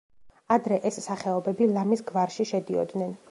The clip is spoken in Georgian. ადრე ეს სახეობები ლამის გვარში შედიოდნენ.